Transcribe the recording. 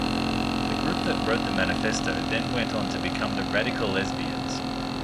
The group that wrote the manifesto then went on to become the Radicalesbians.